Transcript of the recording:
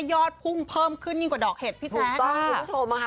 ยอดพุ่งเพิ่มขึ้นยิ่งกว่าดอกเห็ดพี่แจ๊ก